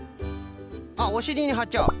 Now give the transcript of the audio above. あっおしりにはっちゃう。